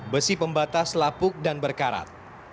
besi pembatas lapuk dan berkarat